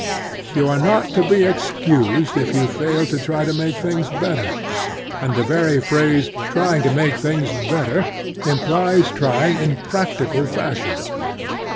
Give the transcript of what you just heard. You are not to be excused if you fail to try to make things better; and the very phrase "trying to make things better" implies trying in practical fashion.